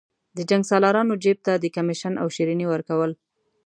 د جنګسالارانو جیب ته د کمېشن او شریني ورکول.